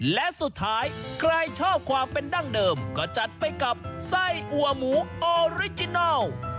และสุดท้ายใครชอบความเป็นดั้งเดิมก็จัดไปกับไส้อัวหมูออริจินัล